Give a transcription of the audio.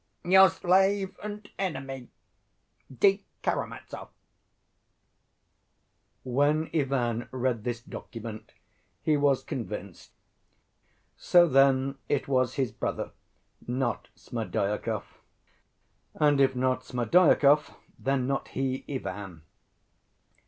Your slave and enemy, D. KARAMAZOV. When Ivan read this "document" he was convinced. So then it was his brother, not Smerdyakov. And if not Smerdyakov, then not he, Ivan.